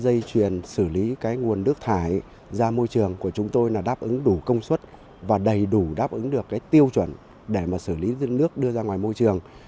dây chuyển xử lý nguồn nước thải ra môi trường của chúng tôi là đáp ứng đủ công suất và đầy đủ đáp ứng được tiêu chuẩn để xử lý nước đưa ra ngoài môi trường